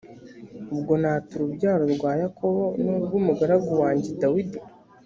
ubwo nata n urubyaro rwa yakobo n urw umugaragu wanjye dawidi